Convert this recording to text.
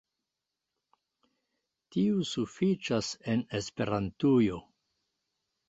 Tiu sufiĉas en Esperantujo